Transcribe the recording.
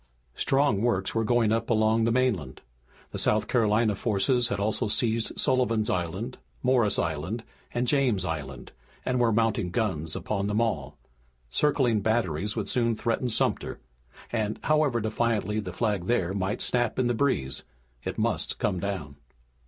Strong works were going up along the mainland. The South Carolina forces had also seized Sullivan's Island, Morris Island, and James Island and were mounting guns upon them all. Circling batteries would soon threaten Sumter, and, however defiantly the flag there might snap in the breeze, it must come down.